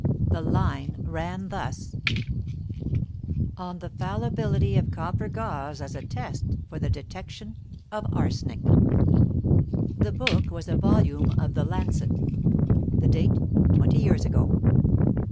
The line ran thus: "ON THE FALLIBILITY OF COPPER GAUZE AS A TEST FOR THE DETECTION OF ARSENIC." The book was a volume of the Lancet; the date twenty years ago.